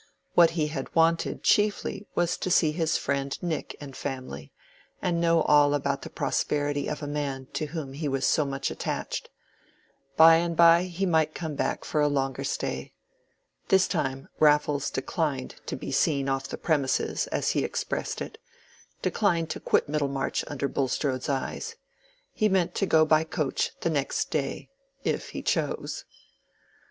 What he had wanted chiefly was to see his friend Nick and family, and know all about the prosperity of a man to whom he was so much attached. By and by he might come back for a longer stay. This time Raffles declined to be "seen off the premises," as he expressed it—declined to quit Middlemarch under Bulstrode's eyes. He meant to go by coach the next day—if he chose.